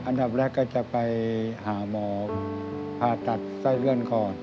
อันดับแรกก็จะไปหาหมอผ่าตัดไส้เลื่อนก่อน